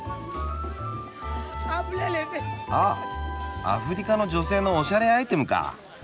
あっアフリカの女性のおしゃれアイテムか。